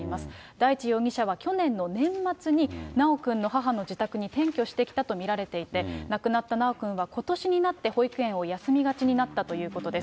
大地容疑者は去年の年末に修くんの母の自宅に転居してきたと見られていて、亡くなった修くんはことしになって保育園を休みがちになったということです。